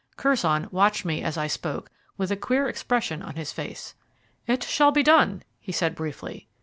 Curzon watched me as I spoke, with a queer expression on his face. "It shall be done," he said briefly.